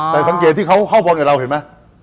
แต่สังเกตที่เขาเข้าบนกับเราเห็นไหม